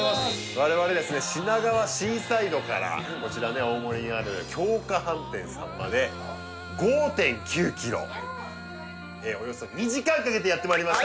我々ですね品川シーサイドからこちらね大森にある京華飯店さんまで５．９キロおよそ２時間かけてやって参りました